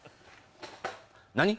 何？